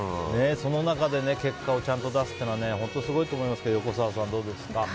その中で結果をちゃんと出すというのは本当にすごいと思いますけど横澤さん、どうですか？